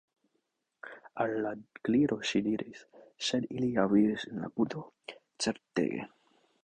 Al la Gliro ŝi diris: "Sed ili ja vivis en la puto. Certege! »